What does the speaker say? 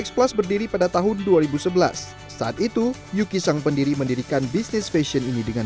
x plus berdiri pada tahun dua ribu sebelas saat itu yuki sang pendiri mendirikan bisnis fashion ini dengan